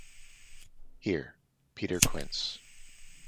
Here, Peter Quince.